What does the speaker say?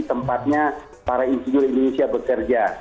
tempatnya para insinyur indonesia bekerja